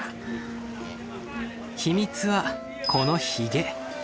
秘密はこのヒゲ。